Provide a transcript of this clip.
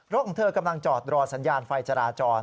ของเธอกำลังจอดรอสัญญาณไฟจราจร